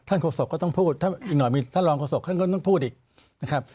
ท่านโคศกก็ต้องพูดอีกหน่อยมีท่านรองโคศกก็ต้องพูดอีกนะครับ